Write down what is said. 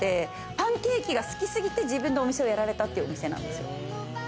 パンケーキが好きすぎて、自分でお店をやられたっていうお店なんですよ。